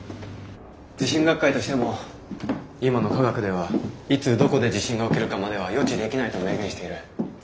地震学会としても今の科学ではいつどこで地震が起きるかまでは予知できないと明言している。